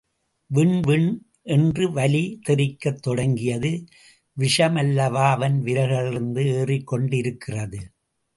விண் விண் ணென்று வலி தெறிக்கத் தொடங்கியது, விஷம் அல்லவா அவன் விரல்களிலிருந்து ஏறிக் கொண்டிருக்கிறது.